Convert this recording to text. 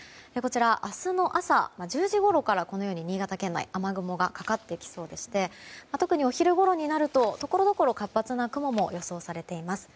明日の朝１０時ごろからこのように新潟県内雨雲がかかってきそうでして特にお昼ごろになるとところどころ活発な雲も予想されています。